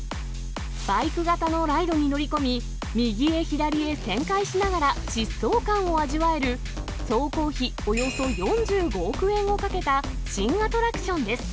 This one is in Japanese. バイク型のライドに乗り込み、右へ左へ旋回しながら、疾走感を味わえる、総工費およそ４５億円をかけた新アトラクションです。